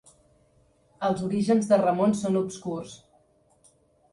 Els orígens de Ramon són obscurs.